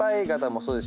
そうです。